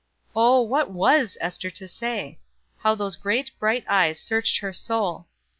Oh, what was Ester to say? How those great bright eyes searched her soul!